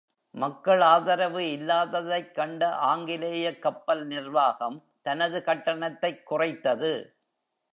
மக்கள் ஆதரவு இல்லாததைக் கண்ட ஆங்கிலேய கப்பல் நிர்வாகம் தனது கட்டணத்தைக் குறைத்தது.